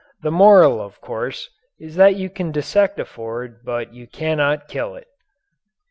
The moral, of course, is that you can dissect a Ford but you cannot kill it.